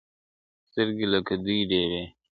سترگي لكه دوې ډېوې~